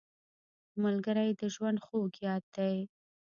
ملګری د ژوند خوږ یاد دی